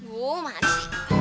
wuh manis sih